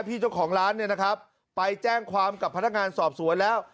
เจ้าของร้านเนี่ยนะครับไปแจ้งความกับพนักงานสอบสวนแล้ว